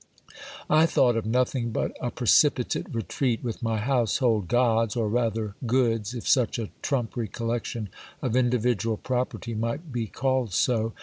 I thought of nothing but a precipitate retreat with my household gods, or rather goods, if such a trumpery collection of individual property might be called so.